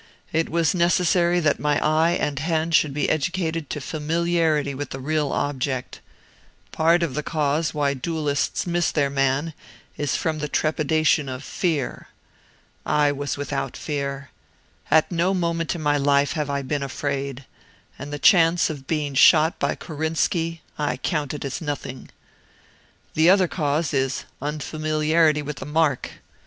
It was necessary that my eye and hand should be educated to familiarity with the real object. Part of the cause why duelists miss their man is from the trepidation of fear. I was without fear. At no moment in my life have I been afraid; and the chance of being shot by Korinski I counted as nothing. The other cause is unfamiliarity with the mark.